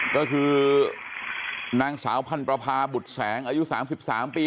ก็คือนางสาวพันประพาบุตรแสงอายุ๓๓ปี